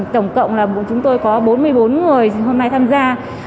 tổng cộng là chúng tôi có bốn mươi bốn người hôm nay tham gia